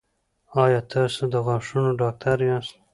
ایا تاسو د غاښونو ډاکټر یاست؟